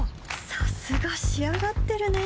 さすが仕上がってるね